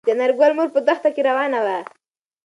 د انارګل مور په دښته کې روانه وه.